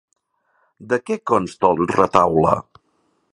De què consta el retaule?